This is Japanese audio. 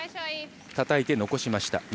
たたいて、残しました。